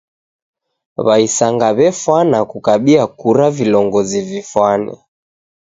W'aisanga w'efwana kukabia kura vilongozi vifwane.